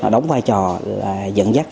đóng vai trò dẫn dắt